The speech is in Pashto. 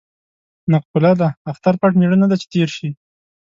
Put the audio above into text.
نقوله ده: اختر پټ مېړه نه دی چې تېر شي.